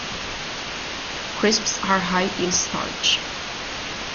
Crisps are high in starch.